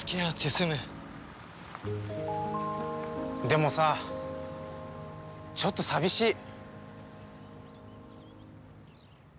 でもさちょっと寂しい。